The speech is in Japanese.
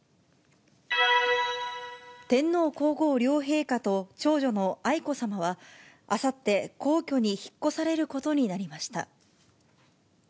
天皇皇后両陛下と長女の愛子さまは、あさって、皇居に引っ越されることになりました。